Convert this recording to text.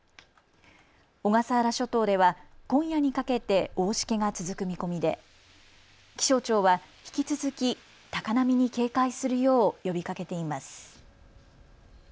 小笠原諸島では今夜にかけて大しけが続く見込みで気象庁は引き続き、高波に警戒するよう呼びかけています。